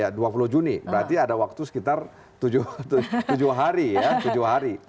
ya dua puluh juni berarti ada waktu sekitar tujuh hari ya tujuh hari